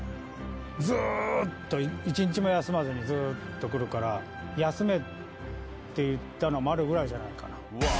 ずーっと１日も休まずにずーっと来るから、休めって言ったのは、丸ぐらいじゃないかな。